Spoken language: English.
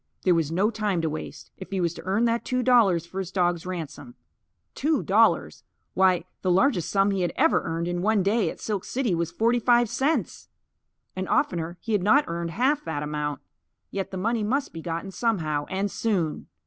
There was no time to waste, if he was to earn that two dollars for his dogs' ransom. Two dollars! Why, the largest sum he had ever earned in one day at Silk City was forty five cents! And oftener he had not earned half that amount. Yet the money must be gotten somehow and soon.